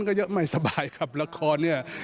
ก็เยอะไม่สบายครับละครเนี่ย